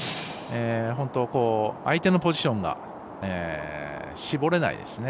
本当に相手のポジションが絞れないですね。